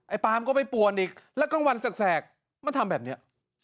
ไอ้ปาล์มก็ไปปวดอีกแล้วก็วันแสกมาทำแบบเนี้ย